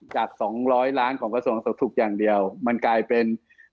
จาก๒๐๐ล้านของกระทรวงสุขอย่างเดียวมันกลายเป็น